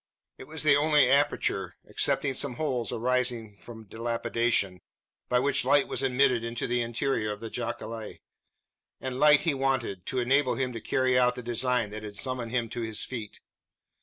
It was the only aperture, excepting some holes arising from dilapidation, by which light was admitted into the interior of the jacale; and light he wanted, to enable him to carry out the design that had summoned him to his feet.